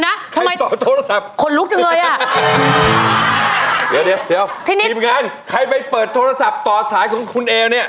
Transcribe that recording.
แล้วจะหาว่าเป็นหยุด